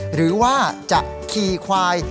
หรือว่าจะขี่ควาย